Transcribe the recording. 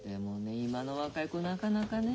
今の若い子なかなかねえ。